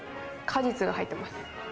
果実が入ってます。